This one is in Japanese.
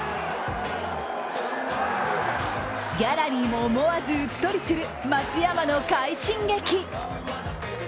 ギャラリーも思わずうっとりする、松山の快進撃。